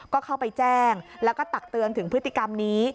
ก็เข้าไปแจ้งแล้วก็ตักเตือนถึงพฤติกรรมนี้